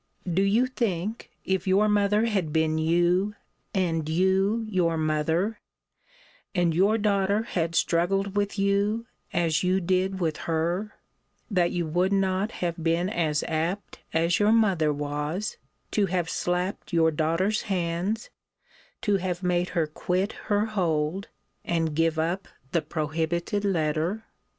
Do you think, if your mother had been you, and you your mother, and your daughter had struggled with you, as you did with her, that you would not have been as apt as your mother was to have slapped your daughter's hands, to have made her quit her hold, and give up the prohibited letter?